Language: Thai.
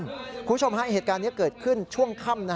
คุณผู้ชมฮะเหตุการณ์นี้เกิดขึ้นช่วงค่ำ